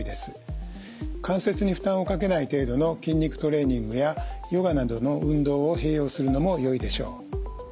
関節に負担をかけない程度の筋肉トレーニングやヨガなどの運動を併用するのもよいでしょう。